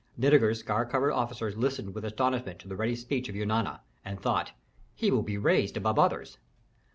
Nitager's scar covered officers listened with astonishment to the ready speech of Eunana, and thought, "He will be raised above others!"